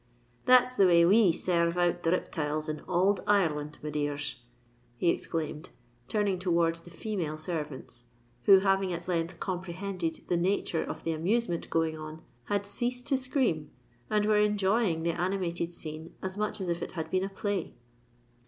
"That's the way we serve out the riptiles in ould Ireland, my dears," he exclaimed, turning towards the female servants, who, having at length comprehended the nature of the amusement going on, had ceased to scream and were enjoying the animated scene as much as if it had been a play.